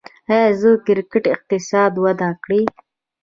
آیا د کرکټ اقتصاد وده کړې؟